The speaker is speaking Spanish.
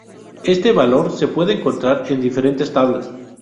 Este valor se puede encontrar en diferentes tablas.